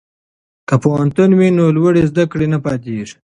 که پوهنتون وي نو لوړې زده کړې نه پاتیږي.